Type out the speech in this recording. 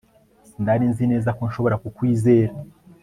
Sinari nzi neza ko nshobora kukwizera